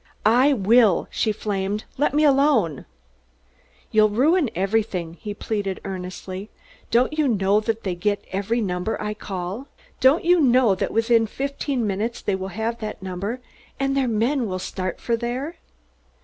"I will!" she flamed. "Let me alone!" "You'll ruin everything," he pleaded earnestly. "Don't you know that they get every number I call? Don't you know that within fifteen minutes they will have that number, and their men will start for there?"